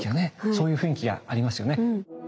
そういう雰囲気がありますよね。